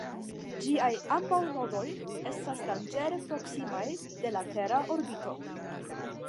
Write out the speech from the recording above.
Ĝiaj ambaŭ nodoj estas danĝere proksimaj de la tera orbito.